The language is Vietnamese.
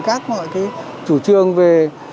các mọi chủ trương về